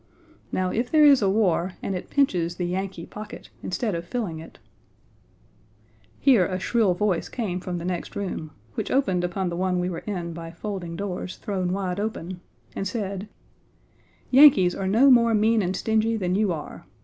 Now if there is a war and it pinches the Yankee pocket instead of filling it " Here a shrill voice came from the next room (which opened upon the one we were in by folding doors thrown wide open) and said: "Yankees are no more mean and stingy than you are.